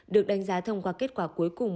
được đánh giá thông qua kết quả cuối cùng